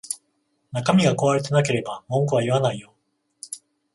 中身が壊れてなければ文句は言わないよ